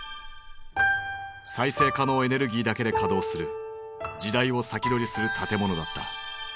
再生可能エネルギーだけで稼働する時代を先取りする建物だった。